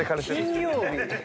金曜日。